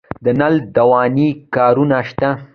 د نل دوانۍ کارونه شته